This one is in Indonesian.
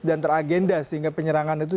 dan teragenda sehingga penyerangan itu